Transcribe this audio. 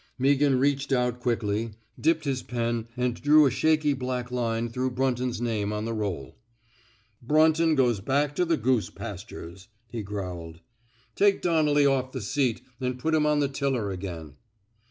Meaghan reached out quickly, dipped his pen and drew a shaky black line through Brunton's name on the roll, Brunton goes back to the goose pastures, *' he growled. Take Donnelly off the seat an^ put him on the tiller again."